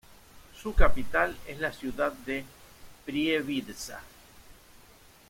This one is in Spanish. Su capital es la ciudad de Prievidza.